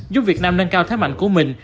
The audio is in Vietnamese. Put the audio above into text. giúp việt nam nâng cao thái mạnh của mình